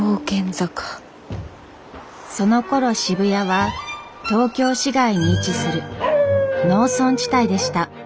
そのころ渋谷は東京市外に位置する農村地帯でした。